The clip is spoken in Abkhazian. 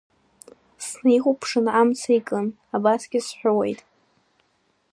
Снаихәаԥшит амца икын, абасгьы сҳәауеит…